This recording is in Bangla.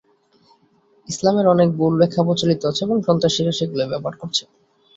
ইসলামের অনেক ভুল ব্যাখ্যা প্রচলিত আছে এবং সন্ত্রাসীরা সেগুলোই ব্যবহার করছে।